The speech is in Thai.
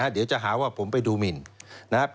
เดี๋ยวจะหาว่าผมไปดูมิน